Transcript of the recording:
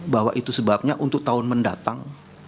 bahwa itu sebabnya untuk tahun mendatang